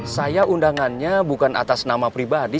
saya undangannya bukan atas nama pribadi